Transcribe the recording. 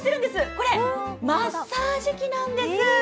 これ、マッサージ器なんです。